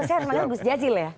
saya memangnya gus jadjil ya